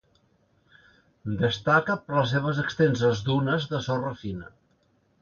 Destaca per les seves extenses dunes de sorra fina.